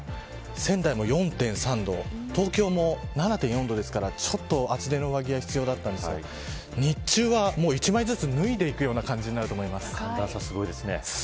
仙台も４．３度東京も７．４度ですからちょっと厚手の上着が必要だったんですが日中は一枚ずつ脱いでいくような寒暖差がすごいですね。